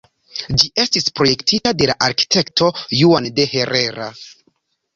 Ĝi estis projektita de la arkitekto Juan de Herrera.